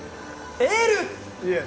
エール！